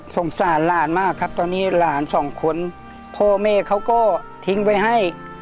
สงสารหลานมากครับตอนนี้หลานสองคนพ่อแม่เขาก็ทิ้งไว้ให้